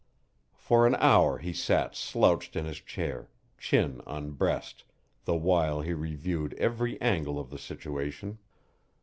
For an hour he sat slouched in his chair, chin on breast, the while he reviewed every angle of the situation.